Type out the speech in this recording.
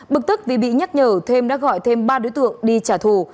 bực tức vì bị nhắc nhở thêm đã gọi thêm ba đối tượng đi trả thù